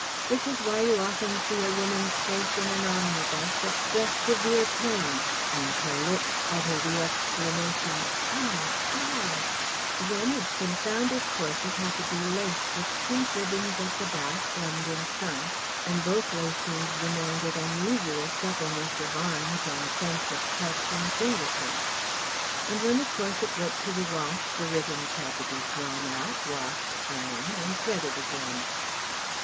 Which is why you often see a woman's face in an omnibus express severe pain and her lips utter the exclamation "Aïe, Aïe." Then this confounded corset had to be laced with pink ribbons at the back and in front and both lacings demanded unusual suppleness of arms and sense of touch in finger tips; and when the corset went to the wash the ribbons had to be drawn out, washed, ironed, and threaded again.